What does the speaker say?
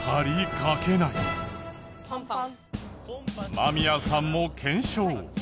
間宮さんも検証。